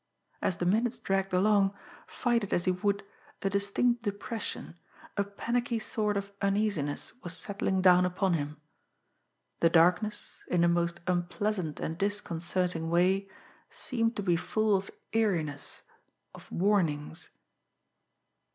As the minutes dragged along, fight it as he would, a distinct depression, a panicky sort of uneasiness, was settling down upon him. The darkness, in a most unpleasant and disconcerting way, seemed to be full of eeriness, of warnings.